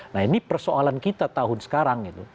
nah ini persoalan kita tahun sekarang gitu